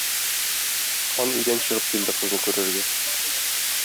Хан өйдән чыгып килде кызны күрергә.